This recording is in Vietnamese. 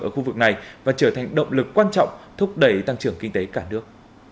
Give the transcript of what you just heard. ở khu vực này và trở thành động lực quan trọng thúc đẩy tăng trưởng kinh tế cả nước